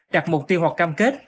đặt mục tiêu hoặc cam kết